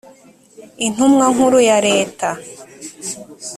intumwa nkuru ya leta.